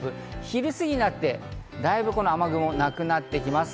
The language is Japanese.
昼過ぎになって、だいぶこの雨雲がなくなってきます。